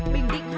vĩnh long một ca